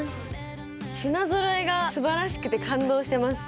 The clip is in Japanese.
品ぞろえが素晴らしくて感動してます。